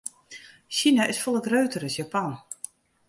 Sina is folle grutter as Japan.